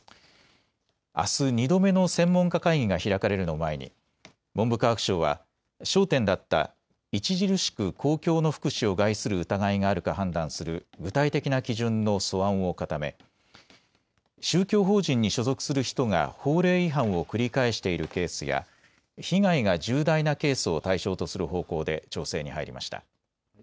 あす２度目の専門家会議が開かれるのを前に文部科学省は焦点だった著しく公共の福祉を害する疑いがあるか判断する具体的な基準の素案を固め、宗教法人に所属する人が法令違反を繰り返しているケースや被害が重大なケースを対象とする方向で調整に入りました。